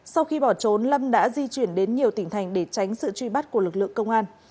sau khi bỏ trốn lâm đã di chuyển đến nhiều tỉnh thành để tránh sự truy bắt của lực lượng công an